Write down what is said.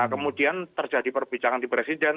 kemudian terjadi perbicaraan di presiden